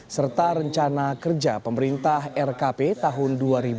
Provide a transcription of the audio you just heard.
serta rencana kerja pemerintah rkp tahun dua ribu dua puluh